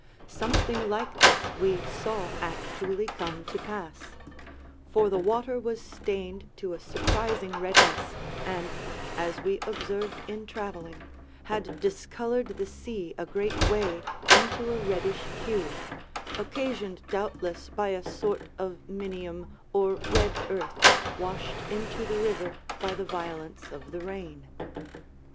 Something like this we saw actually come to pass; for the water was stained to a surprising redness, and, as we observed in traveling, had discolored the sea a great way into a reddish hue, occasioned doubtless by a sort of minium, or red earth, washed into the river by the violence of the rain."